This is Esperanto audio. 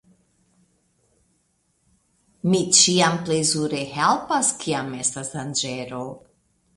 Mi ĉiam plezure helpas kiam estas danĝero.